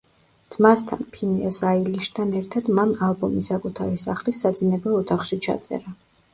ძმასთან, ფინეას აილიშთან ერთად, მან ალბომი საკუთარი სახლის საძინებელ ოთახში ჩაწერა.